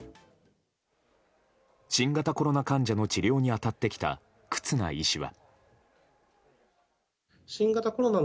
新型コロナ患者の治療に当たってきた忽那医師は。